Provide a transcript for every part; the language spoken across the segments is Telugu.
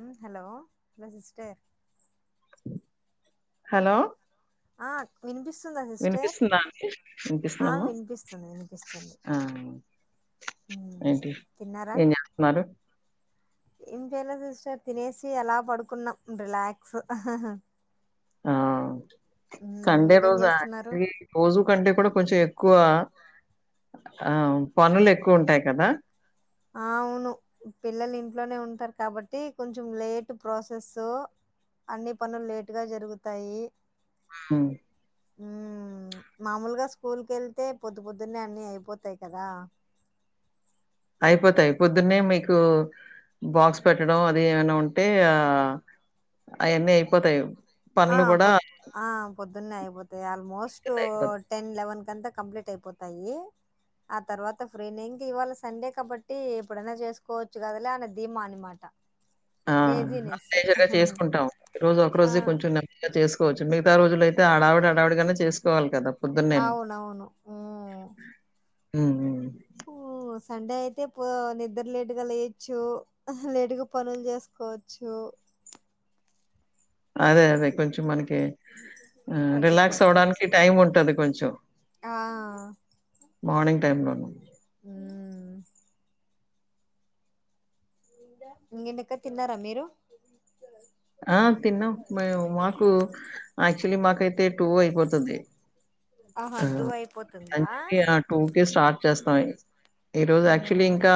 హలో హలో సిస్టర్ హలో ఆ వినిపిస్తుందా సిస్టర్ వినిపిస్తుందా అండి ఆ వినిపిస్తుందమ్మా వినిపిస్తుంది వినిపిస్తుంది ఆ ఏంటి తిన్నారా ఏం చేస్తున్నారు ఏం చేయలే సిస్టర్ తినేసి అలా పడుకున్నాం రిలాక్స్ ఆ హ్మ్. సండే మీరేం జేస్తున్నారు? రోజాఆకి రోజు కంటే కూడా కొంచెం ఎ ఎక్కువ ఆ పనులు ఎక్కువ ఉంటాయి కదా అవును పిల్లలు ఇంట్లోనే ఉంటరు కాబట్టి కొంచెం లేటు ప్రాసెస్ అన్నీ పనులు లేటుగా జరుగుతాయి ఉ ఉ మామూలుగ స్కూల్ కేళ్తే పొద్దు పొద్దునే అన్ని అయిపోతయి కదా అయిపోతయి పోద్దునే మీకు బాక్స్ పెట్టడం అది ఏమైనా ఉం అంటే ఆ ఆ అయి అన్నీ అయిపోతయి ఆ పనులు గుడ పొద్ ఆ పొద్దున్నే అయిపోత్ ఇక ఆల్మోస్ట్ టెన్ లెవన్ కంత కంప్లీట్ అయిపోతాయి ఆ తర్వాత ఫ్రీ నెంటి ఇవాళ సండే కాబట్టి ఎప్పుడన్నా చేసుకోవచ్చు కదలే అనే ధీమ అనమాట లేజినెస్ టవ్ ఈ రోజు ఒక రోజే కొంచెము నెమ్మదిగా చేసుకు కోచ్చు మిగితా రోజుల అయితే ఆడవిడి హడావిడిగా నే చేసుకోవాలి గదా అవునవును ఊ ఉ ఊ ఊ సండే అయితే పో నిద్ర లేట్ గ లేయొచ్చు లేటుగ పనులు చేసుకోవచ్చు అదె అదె కొంచెం మనకి ఎ అది ప రిలాక్స్ అవ్వడానికి టైం ఉంటది కొంచెం ఆ మార్నింగ్ టైమ్ లోను మ్ ఇంకెటక్క తిన్నార మీరు ఆ తిన్నాం మము మాకు యాక్చువల్లీ మాకైతే టూ అయిపోతుంది ఆహా ఆ టూ అయిపోతుందా? అందుకే టూ కె స్టార్ట్ చేస్తాం ఈరోోజు యాక్చువల్లీ మ్ ఇంకా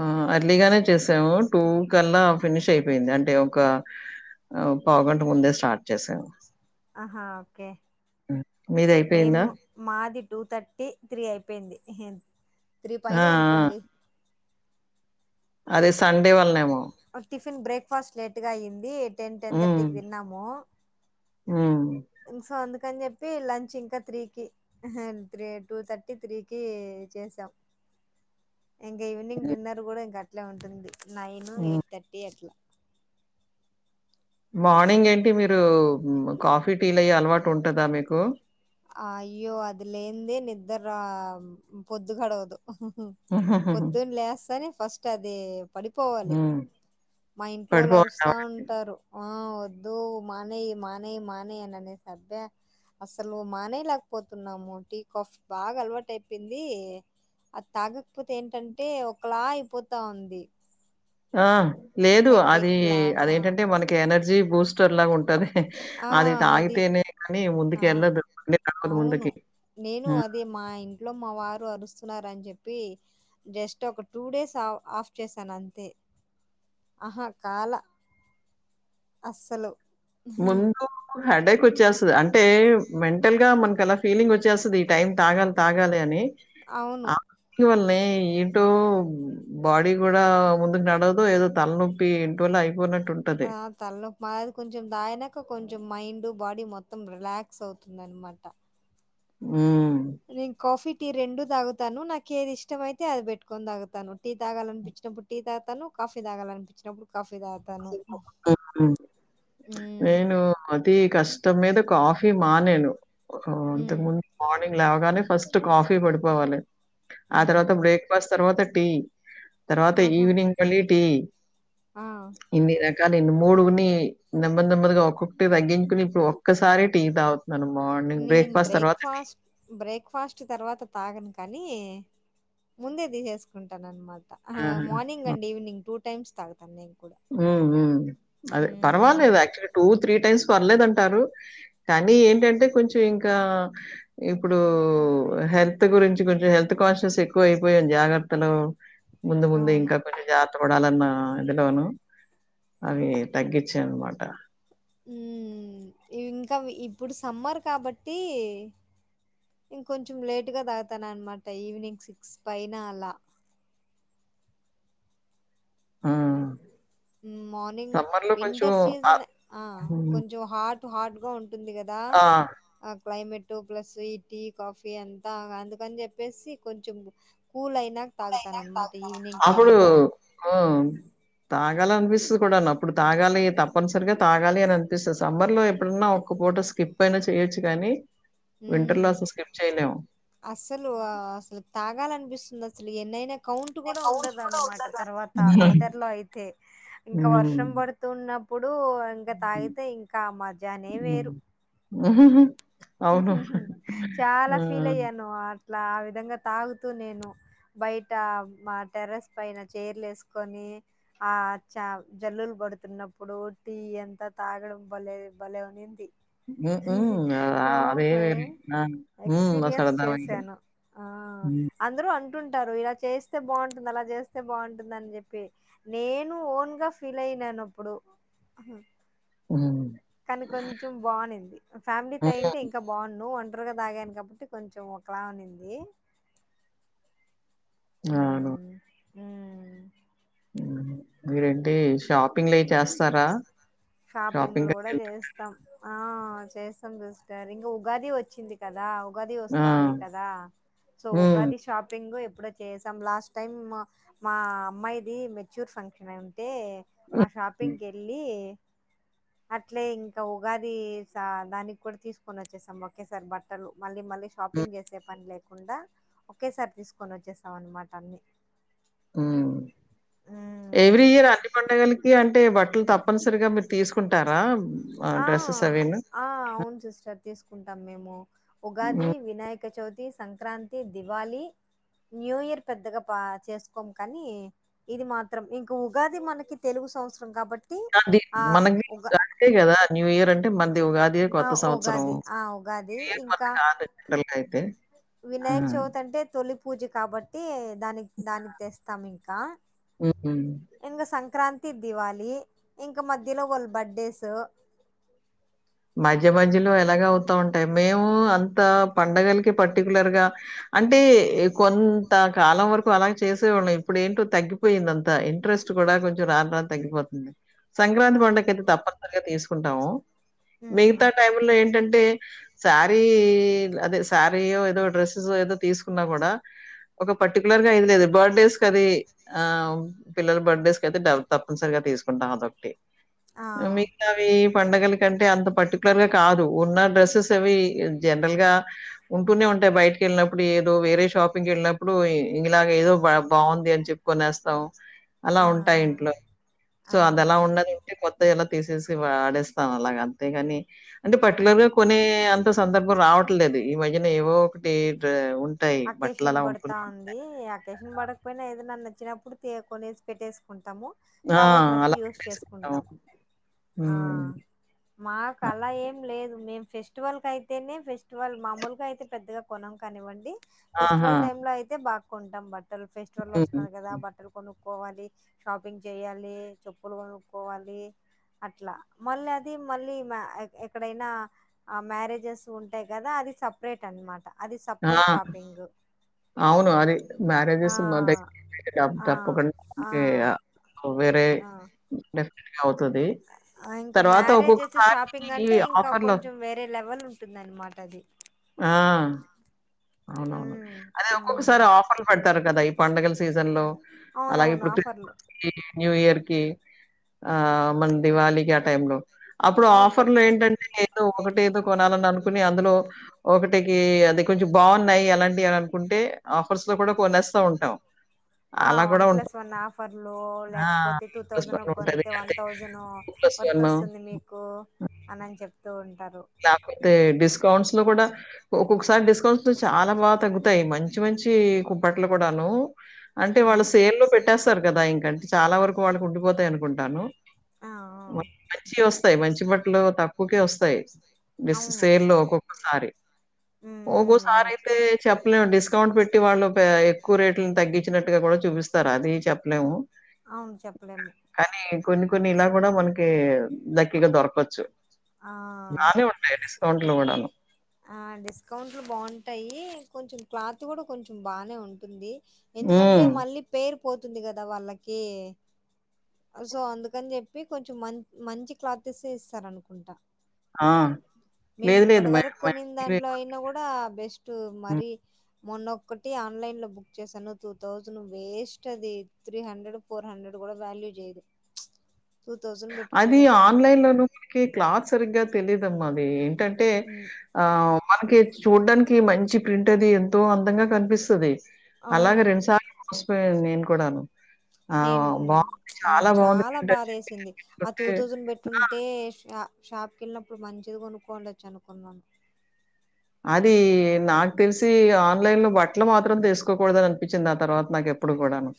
ఆ అర్లీగానే చేసాము టూ కల్ల ఫినిష్ అయిపోయింది అంటే ఒక పావుగంట ముందే స్టార్ట్ చేశాను ఆహా ఓకె మీదయిపోయిందా? మేము మాది టూ థర్టీ త్రీ అయిపోయింది హె త్రి ఆ! ఆ! పైనె అనుకోండి అరెస్ సండే వల్లనేమో టిఫిన్ బ్రేక్ఫాస్ట్ లేట్ గా అయి్యంది టెన్ టెన్ తర్టీీకి తిన్నాము ఉ ఇన్నిసార్లు అందుకని చెప్పి లంచ్ ఇంకా త్రీకి త్రీ టూ థర్టీ త్రీకి చేసాం ఎంగ ఈవినింగ్ హ్మ్. డిన్నర్ కూడా ఇ క ఇట్ల ఉంటుంది నైన్ హ్మ్. ఎయిట్ థర్టీ అట్లా మార్నింగ్ ఏంటి మీరు మ్ కాఫీ టీ లయ్యీ అలవాటు ఉంటుందా మీకు అయ్యో అది లేనిదే నిద్దర పొద్దు గడవదు మ్ హు హుహుహుహు. పొద్దున్న లేస్తానే ఫస్ట్ అది పడిపోవాలి హ్మ్. మా ఇంట్లో వాళ్ళు పడిపోవడం అరుస్తా ఉంటారు ఆ వ వద్దూ మానేయ్ మానేయ్ మానేయ్ అననేసి అబ్బే అస్సలు మానేలేకపోతున్నాము టీ కాఫ్ బాగా అలవాటు అయిపోయింది అది తాగకపోతే ఏంటంటే ఒకలా అయిపోతా ఉంది ఆ లేదు అది హెడ్డేక్ లాగా. అదేంటంటే మనకి ఎనర్జీ బూస్టర్ లాగా ఉంటాది అది తాగితేనే కానీ ముందుకి ఆ! వెళ్ళదు బండి కదలదు అవును. ముందుకి నేను అదే మా ఇంట్లో మా వారు అరుస్తున్నారని చెప్పి జస్ట్ ఒక టూ డేస్ ఆఫ్ చేశాను అంతే ఆహా కాల అస్సలు ముందు హెడ్డేక్ వచ్చేస్తది అంటే మెం టల్గా మనకి అలా ఫీలింగ్ వచ్చేస్తది టైం అ తాగాలి తాగాలి అని అవును. అ ఫీల్ వల్ ల్లే ఇటు బాడీ కూడా ముందుకు నడవదు ఏదో తలనొప్పి ఎంటోలా అయిపోయినట్టు ఆ తలనొప్పి మాదిరి కొంచెం దాగిన ఇంక కొంచెం మైండ్ బాడీ మొత్తం రిలాక్స్ అవుతుందనమాట హుమ్ మీ కాఫీ టీ రెండు తాగుతాను నాకు ఏది ఇష్టమ అయితే అది పెట్టుకొని తాగును టీ తాగాలనిపించినప్పుడు టీ తాగుతాను కాఫీ తాగాలనిపించినప్పుడు కాఫీ తాగుతాను [unintelligible] హ్మ్ నేను అతి కష్టం మీద కాఫీ మానేేను ఆ హ్మ్ ఇంతకముందు మార్నింగ్ లేవగానే ఫస్ట్ కాఫీ పడిపోవాలి ఆ తర్వాత హ్మ్ బ్రేక్ఫాస్ట్ తర్వాత టీ తర్వాత ఆహా! ఈవినింగ్ మళ్లీ టీ ఆ! ఇన్ని రకాల కానీ మూడుని నెమ్మది నెమ్మదిగా ఒక్కొక్కటి తగ్గించుని ఇప్పుడు ఒక్కసారె టీ తాగుతు నేను బ్రేక్ఫాస్ట్ బ్రేక్ఫాస్ట్ తర్వాత తాగను కానీ నీ ముందే తీసేసుకుంటానన్నమాట అ. హ. ఆహా! మార్నింగ్ అండి ఈవనింగ్ టూ టు టైమ్స్ తాగుతాను నేను కూడా. ఉమ్ ఉమ్ అదే హ్మ్. పర్వాలేదు యాక్చువల్ టూ త్రీ టైమ్స్ పర్లేదుంటారు కానీ ఏంటంటే కొంచెం ఇంకా ఇప్పుడు హెల్త్ గురించి కొంచెం హెల్త్ కాన్షియస్ ఎక్కువ అయిపోయాం జాగ్రత్తలు ముందు ముందు అవును. ఇంకా కొన్ని జా పడాలన్న ఎందులోను అవి తగ్గించాయనమాట ఉమ్ ఇవి ఇంక ఇప్పుడు సమ్మర్ కాబట్టి ఇంకొంచెం లేటుగా తాగుతాన్న అనమాట ఈవినింగ్ సిక్స్ పైన అలా మ్ మార్నింగ్ వింటర్ సీజన్ ఆహ్, ఆ హ్మ్. కొంచం హట్ హార్డ్ గా ఉం ఉంటుంది కదా ఆ! అప్ క్లైమేట్ ప్లస్ ఈ టీ కాఫీ అంతా అందుకని చెప్పేసి కొంచెం కూల్ అయ్ అప్పుడు ఉమ్ త తాగాల అనిపిస్తుంది కూడా అప్పుడు తాగాలి తప్పనిసరిగా తాగాలి అని అనిపిస్తది సమ్మర్ లో ఎప్పుడన్నా ఒక్క ఫోటో స్కిప్ అయినా చేయొచ్చు కాని ఉమ్ అసలు అసలు తాగాలనిపిస్ ఉంది అసలు ఎన్నైనా కౌంట్ కూడా ఉండదు అనమాట తర్వాత వింటర్ లో అయితే ఇంకా వర్షం హ్మ్. పడుతున్న ఇప్పుడు ఇంక హ్మ్. తాగితే ఇంకా మజానే వేరు ఆహహ చాలా ఫీల్ అయ్యాను ఆ ట్లా ఆ విధంగా తాగుతూ నేను బయట మా టెర్రస్ పైన చైర్లు వేసుకొని ఆ చ జల్లులు పడుతున్నప్పుడు టీ ఎంత తాగడం బలే బలే ఉన్నింది ఉమ్ ఉ ఆ ఆ అదే వేరు ఆ ఉమ్ ఆ ఎక్స్‌పీరియన్స్ సరదా వేరు చేశాను. ఆ! ఉమ్ అందరూ అంటుంటారు ఇలా చేస్తే బాగుంటుంది అలా చేస్తే బాగుంటుందని చెప్పి నేను ఓన్ గా ఫీల్ అయినాను అప్పుడు హ్మ్. కానీ కొంచెం బాగునింది ఫ్యామిలీ తో హ్మ్. అయింటే ఇంకా బాగున్ను అ తిరగ తాగాను కాబట్టి కొంచెం ఒకలా ఉన్నింది ఆను ఉమ్ ఉమ్ మీరేంటి షాపింగ్ లయి చేస్ షాపింగ్లు కూడా చేస్తాం ఆ చేస్తాం గా సిస్టర్ ఇంకా ఉగాది వచ్చింది కదా ఉగాది ఆ! వస్తాంది కదా సో హ్మ్. ఉగాది షాపింగ్ అప్పుడే చేసాం లాస్ట్ టైం మ-మా అమ్మాయిది మెచ్యూర్ ఫంక్షన్ ఉంటే ఆ హ్మ్. షాపింగ్ మళ్ళీ అట్లే ఇంకా ఉగాది దానికి కూడా తీసుకొని వచ్చేసాం ఒకేసారి బట్టలు మళ్ళీ మళ్ళీ హ్మ్. షాపింగ్ చేసే పని లేకుండా ఒకేసారి తీసుకొని వచ్చేసాం అన్నమాట అన్ని ఉ ఎవ్రీ ఇయర్ అన్ని పండుగలకి అంటే బట్ టలు తప్పనిసరిగా మీరు తీసుకుంటారా ఆహ్, ఆ డ్రెసెస్ అవిను? ఆ అవును సిస్టర్ తీసుకుంటాం మేము ఉగాది హ్మ్. వినాయక చవితి సంక్రాంతి, దివాళి న్యూ ఇయర్ పెద్దగా బా చేసుకోము కానీ ఇది మాత్రం ఇంకా ఉగాది మనకి తెలుగు సంవత్సరం కాబ నాది మనకి గంతే కదా న్యూ ఇయర్ అంటే మంది ఉగా ఆ ఉగాది ఆ ఉగాది ఇయర్ ఇంకా మనది కాదు జనరల్‌గా అయితే. వినాయక్ ఆ! చవితి అంటే తొలి పూజ కాబట్టి దానికి దానికి తెస్తాం ఇంకా హ్మ్. ఇంగ సంక్రా తి దివాలి ఇంక మధ్యలో వాళ్ళు బర్త్డేస్ మధ్య మధ్యలో ఎలాగ అవుతా ఉంటాయి మేము అంత పండగలకి పర్టికులర్ గా అంటే కొంత కాలం వరకు అలాగ చేసేవాళ్ళం ఇప్పుడు ఏంటో తగ్గిపోయింది అంత ఇంట్రెస్ట్ కూడా కొంచెం రాని రా తగ్గిపోతుంది సంక్రాంతి హ్మ్. పండగకైయితే తప్పనిసరిగా తీసు కుంటాము మిగతా హ్మ్. టైములో ఏంటంటే శారీ అదే శారీయో ఏదో డ్రెస్సెస్ ఏదో తీసుకున్నా కూడా ఒక పర్టికులర్ గా ఇది లేదు బర్త్ డేస్ క అది ఆ పిల్లల బర్త్డేస్ క అయితే డబ తప్పనిసరిగా తీసుకుంటాం అదొకటి ఆ! ఉ మిగతావి పండగలు కంటే అంత పర్టికులర్ గా కాదు ఉన్న డ్రెస్సెస్ అవి జనరల్ గా ఉంటూనే ఉంటాయి బయటకి వెళ్ళినప్పుడు ఏదో వేరే షాపింగ్ వెళ్ళినప్పుడు ఇంగ ఇలాగే ఏదో బాగుంది అని చెప్పుకొనేస్తాం అలా ఆ! ఉంటాయి ఆ! ఇంట్లో ఆ సో అది ఎలా ఉన్నది అంటే మో దా అలా తీసేసి వాడేస్ ఆ అలా అంతే కానీ అంటే ఆ పర్టికులర్ గా కొనే అంత సందర్ రావట్లేదు ఈ మధ్య ఏవో ఒకటి డా ఉ అకేషన్ పడతా ఉంది అకేషన్ పడకపోయినా ఏద నన్న వచ్చినప్పుడు తీయకునేసి పెట్టేసుకుంటాము ఆ! కావల్సినప్పుడు అలా యూస్ పెట్టేసుకుంటాం. చేసుకుంటాం ఆ హ్మ్. మాకు అలా ఏం లేదు మేము ఫెస్టివల్ కయితేనే ఫెస్టివల్ మామూలుగా అయితే పెద్దగా కొనం కానివ్వండి ఆహా! ఫెస్టివల్ టైమ్ లో అయితే బా కుంటం బ తల్ ఫెస్టివల్ హ్మ్. వస్తున్నారు కదా హ్మ్. బట్టలు కొను కొనుక్కోవాలి షాపింగ్ చేయాలి చెప్పులు కొనుక్కోవాలి అట్లా మళ్ళీ అది మళ్ళీ ఎక్కడైనా మ్యారేజ్ ఉంటాయి కదా అది సపరేట్ అనమాట అది సపరేట్ ఆ! షాప్ అవును అది ఆ మ్యారేజెస్ డిఫరెంట్ చెయ్యాలి ఆ ఆ తప్పకుండా వేరే ఆ చెప్పు ఇంకా మ్యారేజెస్ ఒక్కొక్కసారి షాపింగ్ ఈ అంటే ఇంకా ఆఫర్‌లో కొంచెం వేరే లెవెల్ ఉంటుంది అన్నమాట అది ఆ! అవునవును హ్మ్ అదే హ్మ్ ఒక్కొక్కసారి ఆఫర్లు పడతారు కదా పండుగల సీజన్లో అలాగే అవునవును పృథీ ఆఫర్లు కి న్యూ ఇయర్ కి ఆ మన దీవాలి కి ఆ టైమ్ లో అప్పుడు అవును ఆఫర్లు పెడతారు ఏంటంటే ఏదో ఒకటి ఏదో కొనాలని అనుకుంటారు అనుకొని అందులో ఒకటికి అది కొంచెం బాగున్నాయి అలాంటివి అని అనుకుంటే ఆఫర్స్ లో కూడా కొనేస్తా ఉంటాం అలా వన్ కూడా ఉం ప్లస్ వన్ ఆఫర్లు ఆ! లేకపోతే టూ ప్లస్ థౌజండ్ ఒక ఉంటది. కొంతే వన్ అదే థౌజండ్ వర్త్ వస్తుంది మీకు అని అని చెప్తూ ఉంటారు లేకపోతే డిస్కౌంట్స్ లో కూడా ఒక్కొక్కసారి డిస్కౌంట్స్ లో చాలా బాగా తగ్గుతుంది ఉంటాయి మంచి మంచి కూపన్లు కూడాను అంటే హ్మ్ వాళ్ళు సెల్లో పెట్టేస్తారు కదా ఇంకా చాలా వరకు ఇప్పటికీ ఉండిపోతాయి అనుకుంటున్నాను ఆ ఆ మంచి వస్తాయి మంచి బట్టలు తక్కువకే వస్తాయి వస్తాయి బెస్ట్ అవును సేల్ల్లో ఒక్కొక్కసారి హ్మ్ హ్మ్ ఒక్కోసారి అయితే అవును చెప్పలేము డిస్కౌంట్ పెట్టొచ్చు ఇంటి వాళ్ళు ఎక్కువ రేట్లను తగ్గించినట్టుగా కూడా చూపిస్తారు అది చెప్పలేము అవును చెప్పలేము కానీ కొన్ని కొన్ని ఇలా కూడా మనకి లక్కీగా దొరకచ్చు ఆ అవే ఉంటాయా డిస్కౌంట్ లో తోటలు కూడాను ఆ డిస్కౌంట్లు బాగుంటాయి కొంచెం క్లాత్ కూడా కొంచెం బానే ఉంటుంది ఎందుకంటే హ్మ్. మళ్ళీ పేరు వస్తది కదా పోతుంది కదా వాళ్ళకి సో అందుకని చెప్పి కొంచెం మ మంచి క్లాత్ ఇస్తారు అనుకుంటా ఆ లేదు లేదు మేడం కొన్ని దాంట్లో అయినా కూడా బెస్ట్ నువ్వు హ్మ్. మరి మొన్నొక్కటి ఆన్లైన్లో బుక్ చేశాను టూథౌజంను వేస్ట్ అదీ త్రీ హండ్రెడ్ ఫోర్ హండ్రెడ్ కూడా వాల్యూ చేయదు. టూ థౌజండ్ అదీ పెట్టుకునేసాను ఆన్లైన్లోను దొరికే క్లాత్ సరిగ్గా తెలీదమ్మా అవీ ఏంటంటే ఉమ్, ఆహ్ మనకి చూడ్డానికి మంచి ప్రింట్ అది ఎంతో అందంగా కన్పిస్తది. అవును అలాగే రెండు సార్లు నేన్ కూడను నేను నాకు బాగుంది చాలా ప్రింట్ అని చెప్పి బాధేసింది ఆ టూ తెప్పించుకుంటే థౌజంన్ ఆ! బెట్టుంటే షా షాప్కి ఎళ్ళినప్పుడు మంచిది కొనుక్కో ఉండచ్చు అనుకున్నాను. అది నాకు తెల్సి ఆన్లైన్ లో బట్టలు మాత్రం తీసుకోకూడదని అనిపించింది ఆ తర్వాత నాకు ఎప్పుడు కూడాను.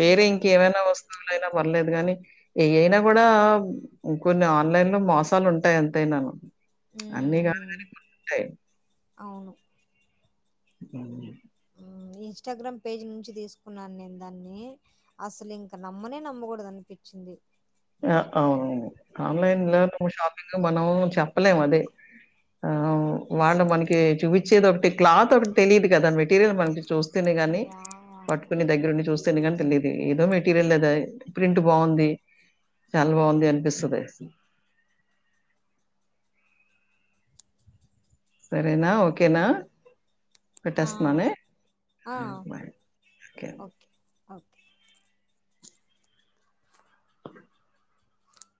వేరే హ్మ్. హ్మ్. ఇంకెవైనా వస్తువులైనా పర్లేదు గానీ ఏయ్ అయినా కూడా కొన్ని ఆన్లైన్ లో మోసాలు ఉంటాయ్ ఎంతైనాను. అన్నీ కాదు హ్మ్. కాని కొన్ని ఉంటాయ్. అవును బాగలేదు ఇన్‌స్టాగ్రామ్ పేజ్ నుంచి దీస్కున్నాన్ నేన్ దాన్ని అస్సలు ఇంక నమ్మనే నమ్మగూడద అనిపించింది. ఆ అవునవును ఆన్లైన్ల నువ్వు ఒ షాప్ మనం చెప్పలేమ్ అదే ఆ వాళ్ళు మనకి చూవించేది ఒకటి క్లాత్ ఒకట్ తెలిదు కదా మెటీరియల్ మనకి చూస్. స్తేనే గాని యాహ్! పట్టుకుని దగ్గరుండి చూస్తేనే కాని తెలిదు ఏదో మెటీరియల్ అదాయ్ ప్రింట్ బావుంది. చాలా బావుంది అనిపిస్తది సరేనా ఓకేనా. ఆ! పెట్టేస్త్నానే ఆ! Bye take care okay. Okay